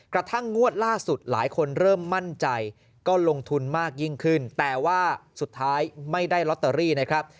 กระทั่งงวดล่าสุดหลายคนเริ่มมั่นใจก็ลงทุนมากยิ่งขึ้นแต่ว่าสุดท้ายไม่ได้ลอตเตอรี่นะครับ